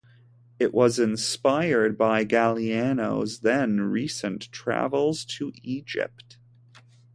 It was inspired by Galliano's then recent travels to Egypt.